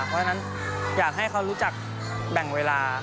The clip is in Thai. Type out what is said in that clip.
เพราะฉะนั้นอยากให้เขารู้จักแบ่งเวลา